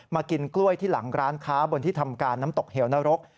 กินกล้วยที่หลังร้านค้าบนที่ทำการน้ำตกเหวนรก